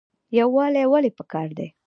یووالی ولې پکار دی؟